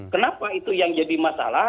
kenapa itu yang jadi masalah